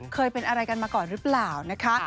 เคยเป็นอะไรกันมาก่อนหรือเปล่านะคะ